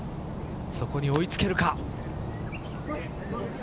そこに追い付けるか。